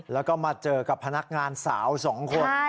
แล้วก็มาเจอกับพนักงานสาว๒คน